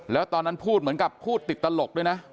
แล้วตอนนั้นพูดเหมือนกับพูดติดตลกด้วยนะ